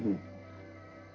terima kasih om